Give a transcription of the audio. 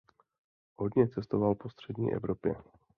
Hodně cestoval po střední Evropě.